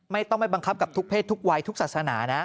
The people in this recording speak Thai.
ไม่ต้องไปบังคับกับทุกเพศทุกวัยทุกศาสนานะ